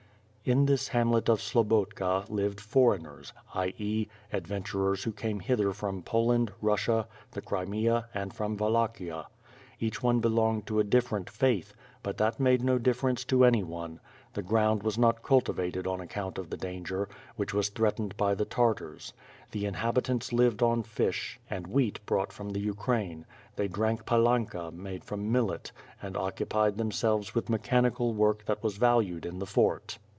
In this hamlet of Slobotka lived "foreigners'^ i. e., adventurers who came hither from Poland, Russia, the Crimea, and from Wallachia. Each one belonged to a differ ent faith, but that made no difference to anyonp. The ground was not cultivated on account of the danger, which was threatened by the Tartars. The inhabitants lived on fish, and wheat brought from the Ukraine; they drank pa lanka made from millet, and occupied themselves with me chanical work that was valued in the fort.